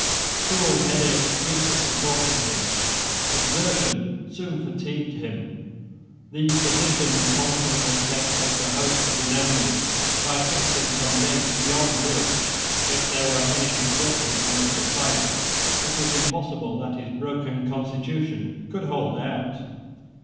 Cruel headaches frequently tortured him. Exertion soon fatigued him. The physicians constantly kept up the hopes of his enemies by fixing some date beyond which, if there were anything certain in medical science, it was impossible that his broken constitution could hold out.